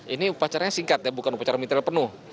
ini upacaranya singkat bukan upacara militer penuh